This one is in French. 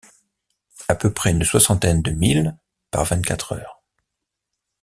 À peu près une soixantaine de milles par vingt-quatre heures.